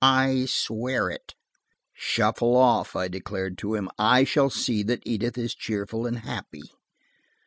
I swear it." "Shuffle off," I dared him. "I will see that Edith is cheerful and happy."